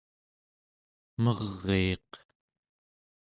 Meriiq